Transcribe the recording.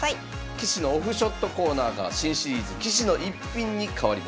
棋士のオフショットコーナーが新シリーズ「棋士の逸品」に変わります。